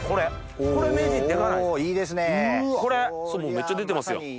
めっちゃ出てますやん。